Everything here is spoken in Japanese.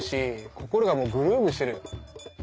心がもうグルーヴしてる。